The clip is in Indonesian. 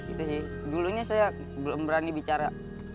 itu sih dulunya saya belum berani bicara